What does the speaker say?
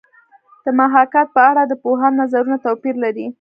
د محاکات په اړه د پوهانو نظرونه توپیر لري